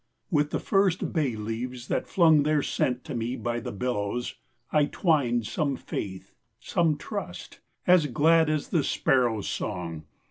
With the first bay leaves that flung Their scent to me by the billows, I twined some faith, some trust, As glad as the sparrow's song.